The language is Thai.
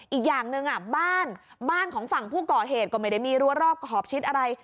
อีกอย่างหนึ่งบ้านบ้านของฝั่งผู้ก่อเหตุก็ไม่ได้มีรัวรอบขอบชิดอะไร